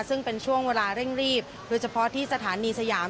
ซึ่งเป็นช่วงเวลาเร่งรีบโดยเฉพาะที่สถานีสยาม